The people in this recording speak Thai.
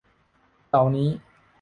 เหล่านี้